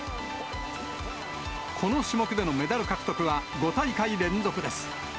この種目でのメダル獲得は５大会連続です。